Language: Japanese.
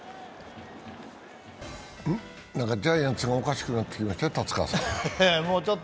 ジャイアンツがおかしくなってきましたか、達川さん。